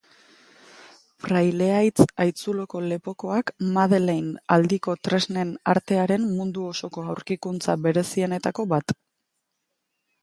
Praileaitz haitzuloko lepokoak Madeleine aldiko tresnen artearen mundu osoko aurkikuntza berezienetako bat dira.